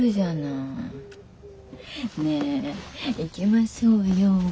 ねぇ行きましょうよ。